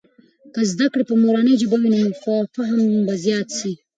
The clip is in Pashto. که زده کړې په مورنۍ ژبې وي، نو فهم به زيات سي.